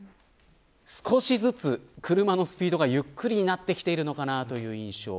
少しずつ車のスピードがゆっくりになってきているのかなという印象。